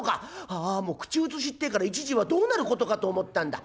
ああもう口うつしってえから一時はどうなることかと思ったんだ。